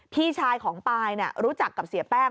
พี่ชายของปายรู้จักกับเสียแป้ง